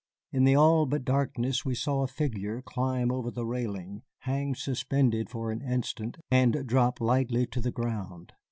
In the all but darkness we saw a figure climb over the railing, hang suspended for an instant, and drop lightly to the ground.